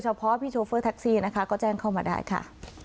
เพาะพี่โชเฟอร์แท็กซี่นะคะก็แจ้งเข้ามาได้ค่ะ